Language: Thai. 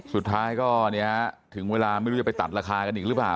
สุดท้ายถึงเวลาไม่รู้จะไปตัดราคากันหรือถือเปล่า